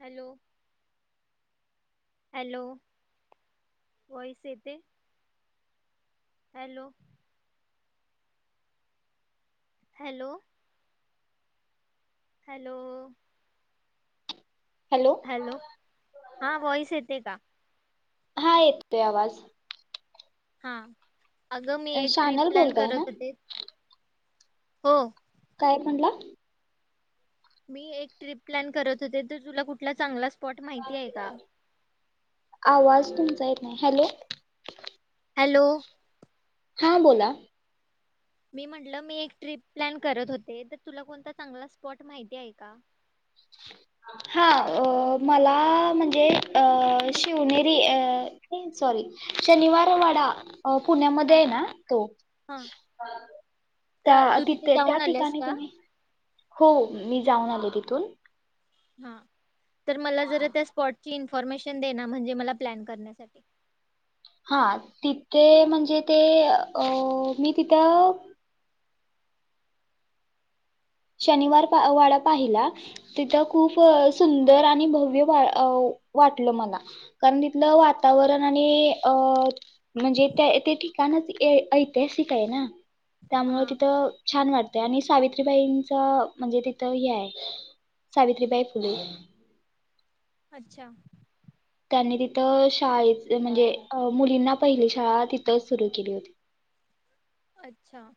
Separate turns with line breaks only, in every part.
Hello hello voice येते? Hello hello hello hello हा voice येते का
हा येतेतोय आवाज
हा अगं मी एक ट्रिप
शानल
प्लॅन
बोलताय
करत
ना
होते. हो
काय म्हणला
मी एक ट्रिप प्लॅन करत होते तर तुला कुठला चांगलाच स्पॉट माहिती आहे का?
आवाज तुमचा नाही हॅलो
हॅलो
हां बोला
मी म्हटलं मी एक ट्रिप प्लॅन करत होते तर, तुला कोणता चांगला स्पॉट माहिती आहे का?
हा अ मला म्हणजे अ शिवनेरी अ सॉरी शनिवार वडा
हा
पुण्यामध्ये आहे ना तो
हा का तू
तिथे त्या
जाऊन आल्यास
ठिकाणी
का
तुम्ही हो मी जाऊन आले तिथून-
हा. तर मला जरा त्या स्पॉट- इन्फॉर्मेशन दे ना. म्हणजे मला प्लॅन करण्यासाठी.
हा. तिथे- म्हणजे ते अ मी तिथं- शनिवार वाडा पाहिला. तिथं खूप सुंदर आणि भव्य वाटलं मला कारण तिथलं वातावरण आणि अं म्हणजे त्या ते ठिकाणच ऐतिहासिक आहे ना? त्यामुळ
हा
तिथं.... छान वाटत आणि सावित्रीबाईं.. च म्हणजे तिथं हे आहे. सावित्रीबाई फुले.
अच्छा
त्यांनी तिथ शाळे म्हणजे मुलींना पहिली शाळा तिथच सुरू केली होती.
अच्छा,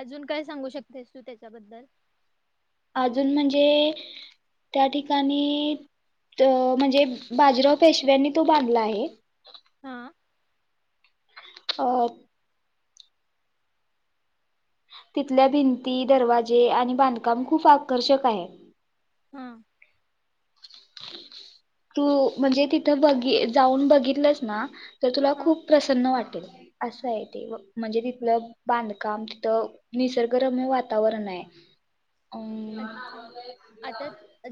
अजून काय सांगू शकतेस? तू त्याच्याबद्दल
अजून म्हणजे? त्या ठिकाणी म्हणजे बाजीराव पेशव्यांनी तो बांधला आहे.
हा
अ- तिथल्या भिंती, दरवाजे आणि बांधकाम खूप आकर्षक आहे.
हम्म.
तू म्हणजे तिथ बघि जाऊन बघितलंस ना- तर तुला
हा.
खूप प्रसन्न वाटतं- असं आहे ते, म्हणजे तिथलं बांधकाम तिथ निसर्गरम्य वातावरण आहे. अम
अच्छा आता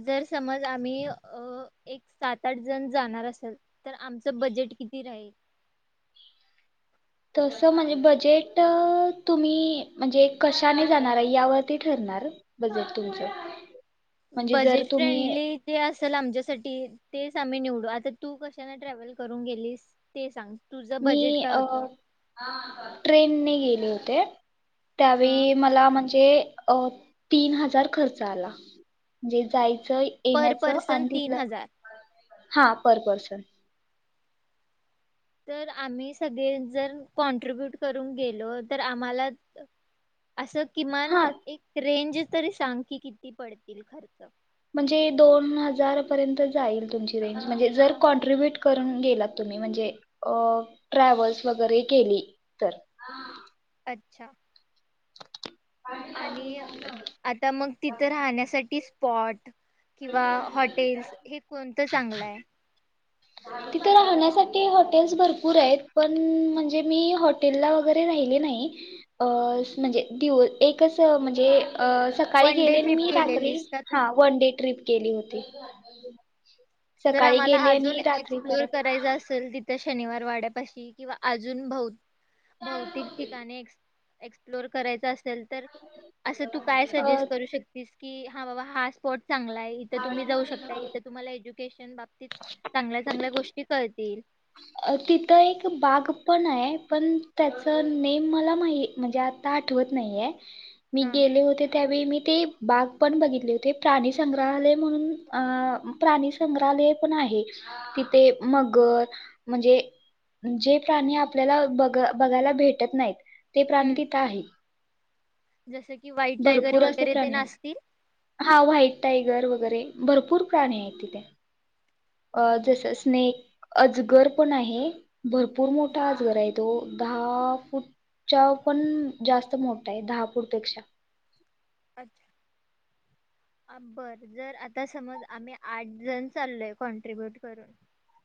जर- समज आम्ही अ एक सात-आठ जण जाणार असल तर आमचं बजेट किती राहील?
तसं म्हणजे बजेट तुम्ही म्हणजे कशाने जाणार आहे यावरती ठरणार, बजेट तुमचं म्हणजे जर
बजेट
तुम्ही
फ्रेंडली जे असेल आमच्यासाठी ते- च आम्ही निवडु, आता तू कशान ट्रॅव्हल करून गेलीस? ते सांग. तुझं
मी
बजेट काय
अ
होतं?
ट्रेनने गे- ले होते.
हा.
त्यावेळी मला म्हण- जे अ तीन हजार खर्च आला. म्हणजे जाय.. च
पर
येण्याच
पर्सन
आणि
तीन
तिथलं-
हजार
हा पर पर्सन.
तर आम्ही सगळे जर कॉन्ट्रिब्यूट करून गेलो तर आम्हाला- असं किमान
हा
एक रेंज- तरी सांग की किती पडतील खर्च.
म्हणजे दोन हजार पर्यंत जाईल तुमची रेंज म्हणजे जर कॉन्ट्रिब्युट करून गेलात तुम्ही म्हणजे ट्रॅव्हल्स वगैरे केली तर.
अच्छा. आणि आता मग तिथं राहण्यासाठीच... स्पॉट- किंवा हॉटेल्स हे कोणतं चांगलं आहे?
तिथे राहण्यासाठी हॉटेल्स भरपूर आहेत पण, म्हणजे मी हॉटेलला वगैरे राहिले नाही म्हणजे दिव एकच म्हणजे- अ सकाळी
वन डे
गेले, नी
ट्रिप
मी रात्री
केलेलीस का तू?
हा वन डे. ट्रिप केली होती.
जर
सकाळी
आम्हांला
गेली
अजून
आणि रात्री
एक्सप्लोर
परत
करायचं असेल ति त्या शनिवार वाड्यापाशी किंवा अजून भोव भौतिक ठिकाणे एक्स एक्सप्लोर करायचं अस सल तर असं तू काय
अ,
सजेस्ट करू शकतीस? की हां बाबा हां स्पॉट चांगला आहे इथं तुम्ही जाऊं शकता इथं तुम्हांला एज्यु केशन बाबतीत चांगल्या चांगल्या गोष्टी कळतील.
अ तिथं एक बाग पण आहे, पण त्याचं नेम मला माही म्हंजे मला आता आठवत नाहीये. मी
हा
गेलो होते त्यावेळीं मी ते बाग पण बघितले होते. प्राणी संंग्रहालय म्हणून अ प्राणी संंग्रहालय पण आहे, तिथे मगर म्हंजे जे प्राणी आपल्याला बघ बघायला भेटत नाहीत ते प्राणी
हम्म
तिथं आहे.
जसं की व्हाईट टायगर
भरपूर असे
वगैरे
प्राणी
तेन
आहेतं.
असतील?
हा व्हाईट टायगर वगैरे भरपूर प्राणी येत तिथे अ जसं स्नेक. अजगर पण आहे, भरपूर मोठा अजगर आहे तो दहा फूटच्या पण जास्त मोठा आहे दहा फूटपेक्षा.
अच्छा. अ बरं जर आत्ता समज आम्ही आठ जण चाललोय कॉन्ट्रीब्युट करून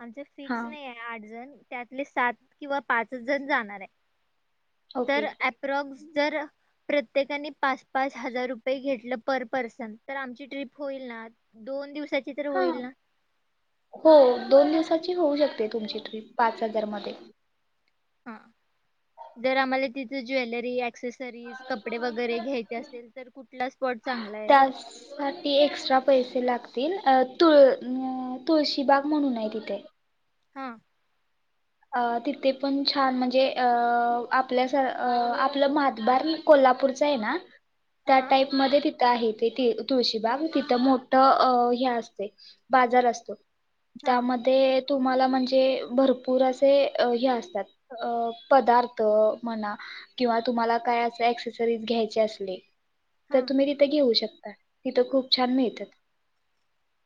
आमचं
हा
फिक्स नाहीये आठ जण. त्यातले सात किंवा पाचच जणं जाणारय. तर
ओके
एप्रॉक्स जर प्रत्येकाने पाच-पाच हजार रुपये घेतलं पर पर्सन? तर आमची ट्रीप होईल ना? दोन दिवस
हां हो दोन दिवसा ची होऊ शकते तुमची ट्रीप पाच हजार मध्ये.
हां जर आम्हाला तिथं ज्वेलरी ॲ तर कुठला स्पॉट चांगला आहे
त्यासाठी एक्स्ट्रा पैसे लाग तील अ तुळ अ तुळशीबाग म्हणून आहे तिथे.
हां.
अ तिथे पण छान म्हंजे अ आपल्या सा अ आपलं म्हातबारी कोल्हापूरच हय ना. त्या
हा
टाईपमध्ये ति आहे ते ती तुळशीबाग तिथं मोठं अ हे असतय बाजार असतो.
हा
त्यामध्ये तुम्हाला म्हणजे भर पूर असे हे असतात पदार्थ म्हणा किंवा तुम्हाला काय असे ॲक्सेसरीज घ्यायच तर
हा
तुम्ही तिथे घेऊ शकता. तिथं खूप छान मिळतात.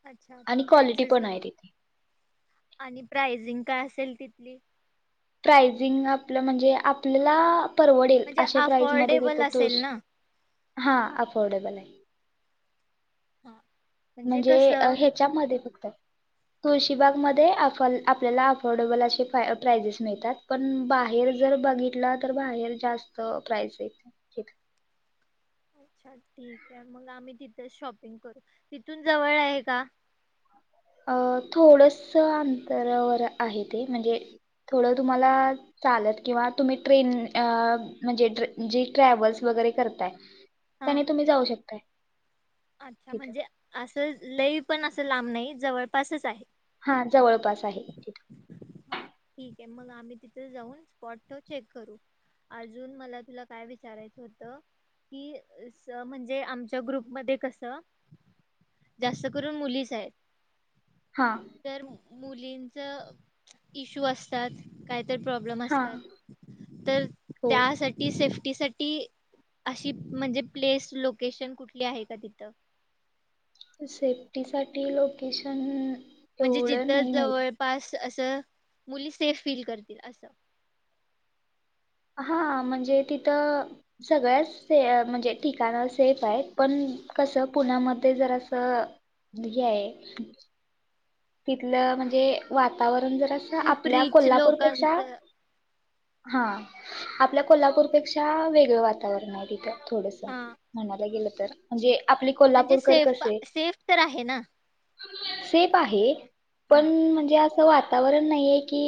अच्छा
आणि
त्या
क्वालिटी
ॲक्सेसरी
पण आहे तिथे
आणि प्राइजिंग काय अस चल तिथली.
प्राईझिंग आपलं म्हणजे आपल्याला परवडेल
म्हणजे
अशे प्राईस मध्ये
अफोर्डेबल
देत
असेल
तुळशी
ना
हा अफोर्डेबल आहेत.
हा
म्हणजे हेच्यामध्ये फक्त तुळशीबागमध्ये आपल्याला अफोर्डेबल असे प्राइजेस मिळतात पण बाहेर जर बघितला तर बाहेर जास्त प्राइज आहेत.
अच्छा ठीक आहे मग आम्ही तिथचं शॉपिंग करू तिथून जवळ आहे का?
अ थोडस अंतरावर आहे ते म्हणजे थोडं तुम्हाला चालत किंवा तुम्ही ट्रेन अ म्हणजे जे ट्रॅव्हल्स वगैरे करताय.
हा
त्यानें तुम्ही जाऊ शकताय
अच्छा
तिथं
म्हणजे असं लई पण असं लांब नाही जवळपासच आहे.
हा जवळपास आहे तिथं
हा ठीक आहे मग आम्ही तिथे जाऊन स्पॉट चेक करू अजून मला तुला काय विचारायचं होत कि म्हणजे आमच्या ग्रुप मध्ये कसं जास्त करून मुलीच आहेत.
हा
तर मुलींच इश्यू असतात काय तर प्रॉब्लेम
हा
असतात तर
हो
त्यासाठी सेफ्टी सेफ्टी साठी अशी म्हणजे प्लेस लोकेशन कुठली आहे का तिथं?
सेफ्टी साठी लोकेशन
म्हणजे
एवढं
जिथं
नाही माहित
जवळपास असं मुली सेफ फील करतील असं.
हा म्हणजे तिथं सगळ्याच म्हणजे ठिकाण सेफ आहेत पण कसं पुण्यामध्ये जरास असं हे आहे. तिथलं म्हणजे वातावरण पण जरासं
खूप
आपल्या
रिच
कोल्हापूरपेक्षा
लोकांचं
हा आपल्या कोल्हापूरपेक्षा वेगळं वातावरण आहे तिथं थोडस
हा
म्हणाय गेलं तर म्हणजे आपले
म्हणजे
कोल्हापूरकर
सेफ
कसे
सेफ तर आहे ना
सेफ फ आहे
हा
पण म्हणजे आ अस वातावरण नाहीये की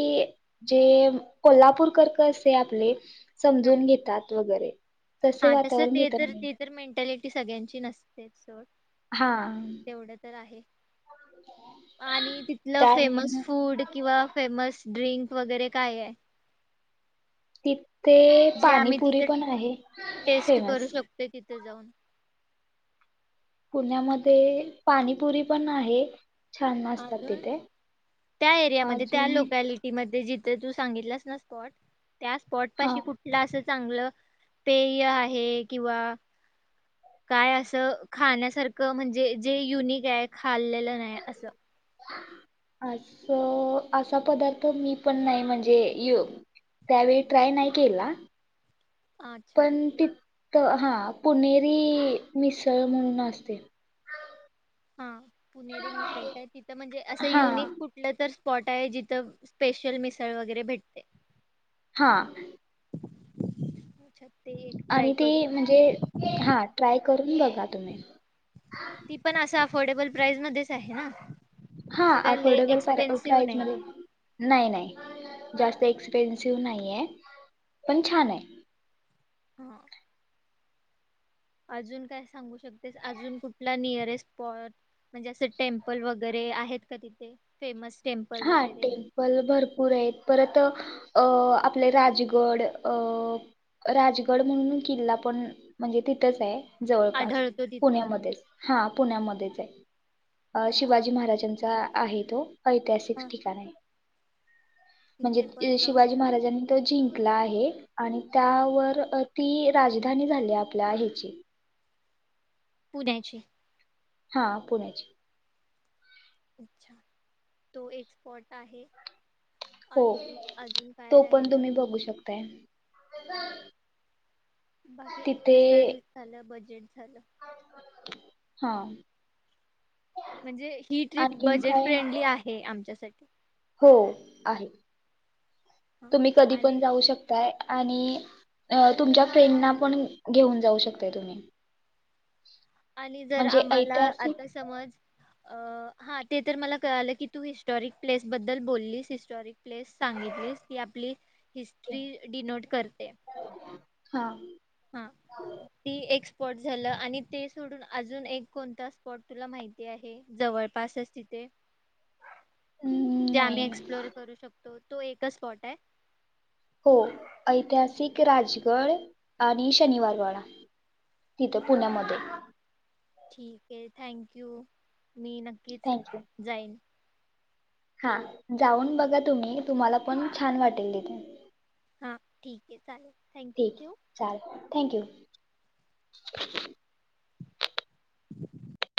जे कोल्हापूर कर कसे आपले
हम्म
समजून घेतात वगैरे
हा
तसे
तसं
वातावरण
ते
तिथं
तर
नाही
ते तर मेंटॅलिटी सगळ्यांची नसते सोड
हा
तेवढं तर आहे आणि तिथलं
त्या आहे
फेमस
ना,
फूड किंवा फेमस ड्रिंक वगैरे काय आहे?
ते ते
जे आम्ही
पाणीपुरी
तिथे
पण आहे फेमस
तिथं जाऊन.
पुण्यामध्ये पाणीपुरी पण आहे. छान असतात
अजून
तिथे
त्या एरियामध्ये
अजून
त्या लोकॅलिटी मध्ये ते तू सांगितलंस ना स्पॉट - - त्या स्पॉट
हा
पाशी कुठला असं चांगलं पेय आहे किंवा काय असं खाण्यासारखं म्हणजे जे युनिक आहे खाल्लेलं नाही असं
अस असा पदार्थ मी पण नाही म्हणजे त्यावेळी ट्राय नाही केला.
अच्छा
पण ती तर हा पुणेरी मिसळ म्हणून असते‌.
हा पुणेरी मिसळ का आहे तिथं म्हणजे असं
हा
युनिक कुठलं तर स्पॉट आहे जिथं स्पेशल मिसळ वगैरे भेटते.
हा
अच्छा ते एक ट्राय
आणि ती
करू
म्हणजे हा ट्राय करून बघा तुम्ही [inaudible]
फोर्डेबल प्राईस मध्येच आहे ना?
हा
असं काय लय
अफोर्डेबल प्राई
एक्सपेन्सिव्ह
प्राईस
नाही
मध्ये नाही नाही. जास्त एक्सपेन्सिव नाहीय पण छान आहे.
हम [inaudible] अजून काय सांगू शकतेस अजून कुठला नियरेस्ट स्पॉट म्हणजे असं टेमपल वगैरे आहेत का तिथे फेमस टेम्पल
हा
वगैरे
टेम्पल भरपूर आहेत परत अ आपले राजगड अ राजगड म्हणून किल्ला पण म्हणजे तिथंच आहे. जवळपास
आढळतो तिथं
पुण्यामध्येच हा पुण्यामध्येच हाय अ
अच्छा
शिवाजी महाराजांचा आहेत [unintelligible]
हा
ठीकाणाय
तिथे पण
म्हणजे
जाऊ
शिवाजी
शक
महाराजांनी तो जिंकला आहे आणि
हा
त्यावर अ ती राजधानी झाली आपल्या हेची
पुण्याची.
हा पुण्याची.
अच्छा, तो एक स्पॉट आहे.
हो
अजून अजून काय
तो पण
राहिलं
तुम्ही बघू शकतायं. [unintelligible]
बाकी [unintelligible] झाल बज
हा.
म्हणजे ही ट्रिप
आणखीन
बजेट
काय
फ्रेंडली आहे आमच्या साठी.
हो, आहे.
हां
तुम्ही कधी
आणि
पण जाऊ शकतायं आणि तुमच्या फ्रेंडनां पण घेऊन जाऊ शकतायं तुम्ही.
आणि जर
म्हणजे
आम्हाला
ऐतिहासिक
आता समज अ हा ते तर मला कळालं की, तू हिस्टॉरिक प्लेस बद्दल बोललीस, हिस्टॉरिक प्लेस सांगितलीस की आपली हिस्ट्री डिनोट करतेय.
हा.
हा ती एक स्पॉट झालं आणि ते सोडून अजून एक कोणत स्पॉट तुला माहिती आहे जवळपासच तिथे?
हम्म,
जे आम्ही
नाही
एक्सप्लोर करू शकतो? तो एकच स्पॉट हाय?
हो ऐतिहासिक राजगड आणि शनिवारवाडा तिथं पुण्यामध्ये.
ठीक ये थँक यू. मी नक्कीच जाईन.
हा जाऊन बघा तुम्ही, तुम्हाला पण छान वाटेल तिथे.
हा ठीक आहे चालेल थँक्यू
ठीक
ठेवू
आहे चालेल, थँंक यू. [inaudible]
[inaudible]